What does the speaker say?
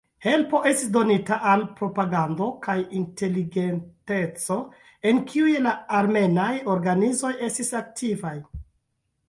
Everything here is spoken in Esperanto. Helpo estis donita en propagando kaj inteligenteco en kiuj la armenaj organizoj estis aktivaj.